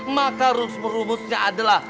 maka rumusnya adalah